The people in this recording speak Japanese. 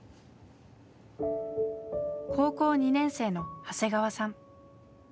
高校２年生の長谷川さん。